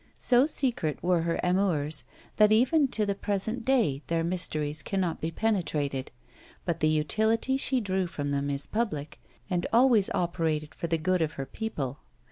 So secret were her amours, that even to the present day their mysteries cannot be penetrated; but the utility she drew from them is public, and always operated for the good of her people.